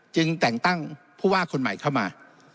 จึงแต่งตั้งผู้ว่าคนใหม่เข้ามา